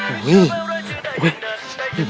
โอ้ยโอ้ย